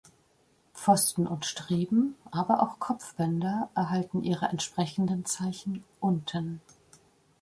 Pfosten und Streben, aber auch Kopfbänder erhalten ihre entsprechenden Zeichen unten.